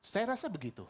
saya rasa begitu